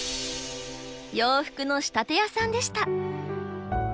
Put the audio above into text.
洋服の仕立て屋さんでした。